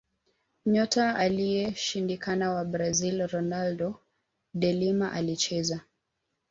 nyota aliyeshindikana wa brazil ronaldo de lima alicheza